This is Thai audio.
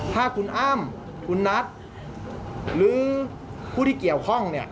ถ้าคุณอ้ำคุณนัทหรือผู้ที่เกี่ยวข้องเนี่ย